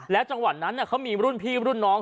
จังหวัดนั้นเขามีรุ่นพี่รุ่นน้อง